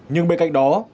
nhưng bên cạnh đó